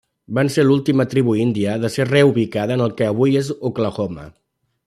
Van ser l'última tribu índia de ser reubicada en el que avui és Oklahoma.